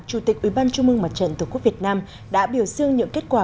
chủ tịch ủy ban trung mương mặt trận tổ quốc việt nam đã biểu dương những kết quả